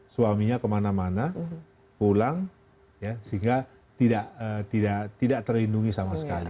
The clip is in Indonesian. suaminya kemana mana pulang sehingga tidak terlindungi sama sekali